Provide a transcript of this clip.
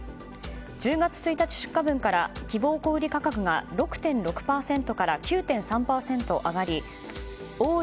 １０月１日出荷分から希望小売価格が６．６％から９．３％上がりおい